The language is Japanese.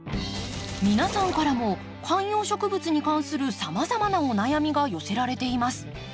皆さんからも観葉植物に関するさまざまなお悩みが寄せられています。